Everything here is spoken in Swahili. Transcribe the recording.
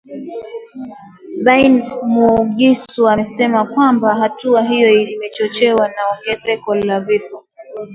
Bain Omugisa amesema kwamba hatua hiyo imechochewa na ongezeko la vifo